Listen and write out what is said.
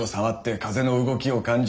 風の動きを感じ！